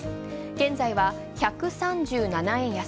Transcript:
現在は１３７円安。